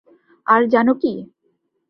আর জানো কী?